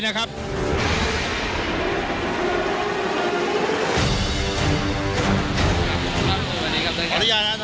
สถานการณ์ข้อมูล